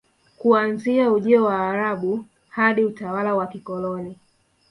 Kuanzia ujio wa Waarabu hadi utawala wa kikoloni